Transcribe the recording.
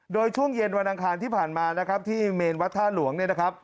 โดยช่วงเย็นวันอังคารที่ผ่านมาที่เมนวัดท่าหลวง